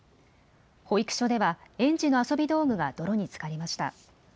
保育所では園児の遊び道具が泥につかりました。